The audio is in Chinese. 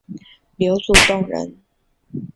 刘祖洞人。